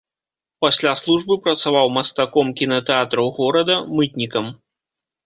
Пасля службы працаваў мастаком кінатэатраў горада, мытнікам.